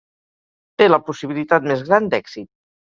Té la possibilitat més gran d'èxit.